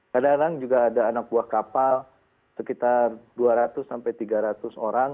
kadang kadang juga ada anak buah kapal sekitar dua ratus sampai tiga ratus orang